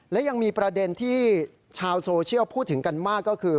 และยังมีประเด็นที่ชาวโซเชียลพูดถึงกันมากก็คือ